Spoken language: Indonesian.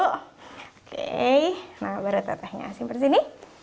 oke nah beratnya simpan sini